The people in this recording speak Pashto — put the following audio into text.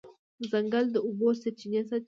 ځنګل د اوبو سرچینې ساتي.